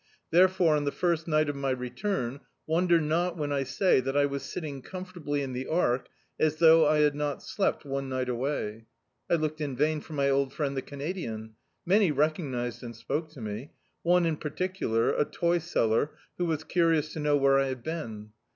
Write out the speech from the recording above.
Therefore, on the first night of my return wonder not when I say that I was sitting comfortably in the Ark, as though I had not slept one ni^t away. I looked in vain for my old friend the Canadian. Many recognised and spoke to me. One in particular, a toy seller, who was curious to know where I had been.